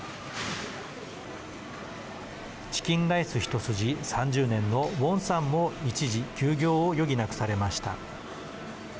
チキンライス一筋３０年のウォンさんも一時休業を余儀なくされました。